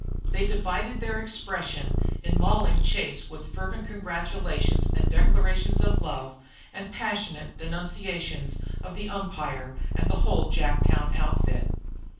They divided their expression in mauling Chase with fervid congratulations and declarations of love, and passionate denunciations of the umpire and the whole Jacktown outfit.